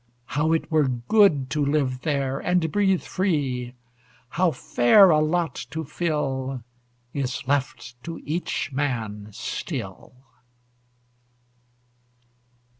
How it were good to live there, and breathe free; How fair a lot to fill Is left to each man still!